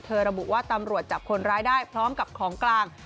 ระบุว่าตำรวจจับคนร้ายได้พร้อมกับของกลาง